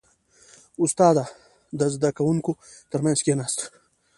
• استاد د زده کوونکو ترمنځ کښېناست.